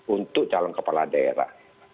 untuk calon kepala daerah